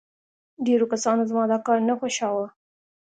ډېرو کسانو زما دا کار نه خوښاوه